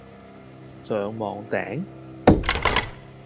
上網訂?